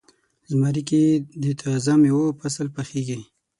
زمری کې د تازه میوو فصل پخیږي.